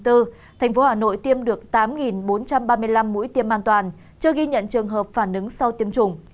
thành phố hà nội tiêm được tám bốn trăm ba mươi năm mũi tiêm an toàn chưa ghi nhận trường hợp phản ứng sau tiêm chủng